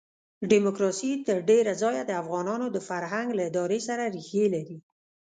ډیموکراسي تر ډېره ځایه د افغانانو د فرهنګ له ادارې سره ریښې لري.